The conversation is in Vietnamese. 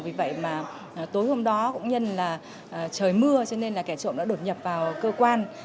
vì vậy mà tối hôm đó cũng nhân là trời mưa cho nên là kẻ trộm đã đột nhập vào cơ quan